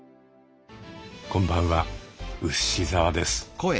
こんばんはウシ澤です。